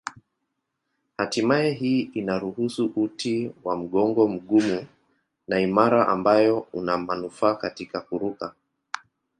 Hatimaye hii inaruhusu uti wa mgongo mgumu na imara ambayo una manufaa katika kuruka.